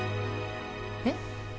えっ？